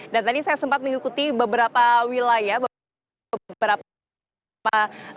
dan tadi saya sempat mengikuti beberapa wilayah beberapa tempat